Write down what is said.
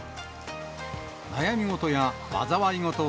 悩み事や災い事を